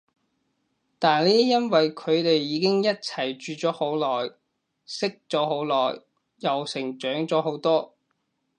但呢因為佢哋已經一齊住咗好耐，識咗好耐，又成長咗好多